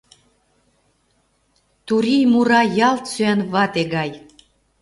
Турий мура ялт сӱанвате гай!